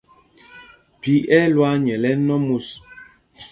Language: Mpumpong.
Phī ɛ́ ɛ́ lwaa nyɛl ɛnɔ mus.